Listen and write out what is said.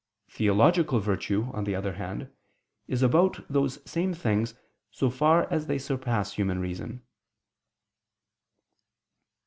Theological virtue, on the other hand, is about those same things so far as they surpass human reason.